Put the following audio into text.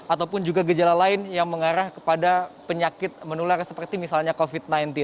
ataupun juga gejala lain yang mengarah kepada penyakit menular seperti misalnya covid sembilan belas